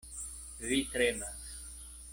Vi tremas.